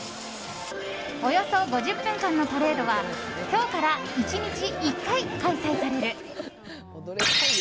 およそ５０分間のパレードは今日から１日１回開催される。